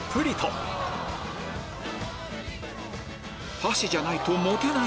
箸じゃないと持てない